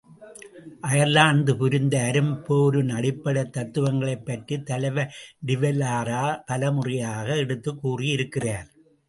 Ireland புரிந்த அரும் போரின் அடிப்படைத் தத்துவங்களைப் பற்றிக் தலைவர் டிவெலரா பலமுறையாக எடுத்துக் கூறியிருக்கிறார்.